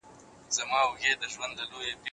بهرنی سیاست د هیواد د خپلواکۍ او ملي ګټو هنداره ده.